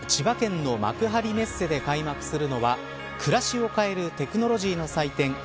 今日から千葉県の幕張メッセで開幕するのは暮らしを変えるテクノロジーの祭典